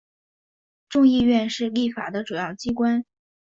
众议院是立法的主要机关。